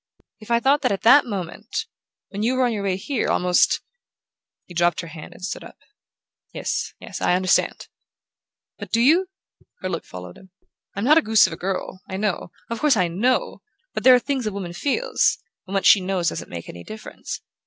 If I thought that at that moment ... when you were on your way here, almost " He dropped her hand and stood up. "Yes, yes I understand." "But do you?" Her look followed him. "I'm not a goose of a girl. I know ... of course I KNOW...but there are things a woman feels ... when what she knows doesn't make any difference.